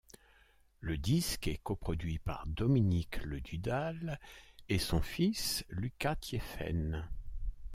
Le disque est coproduit par Dominique Ledudal et son fils Lucas Thiéfaine.